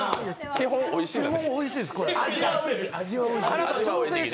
基本おいしいです。